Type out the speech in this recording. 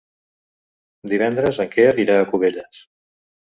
Divendres en Quer irà a Cubelles.